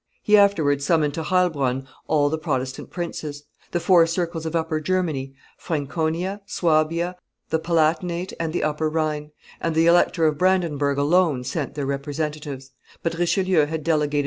He afterwards summoned to Heilbronn all the Protestant princes; the four circles of Upper Germany (Franconia, Suabia, the Palatinate, and the Upper Rhine), and the elector of Brandenburg alone sent their representatives; but Richelieu had delegated M.